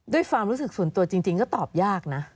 ด้วยความรู้สึกส่วนตัวจริงก็ตอบยากนะ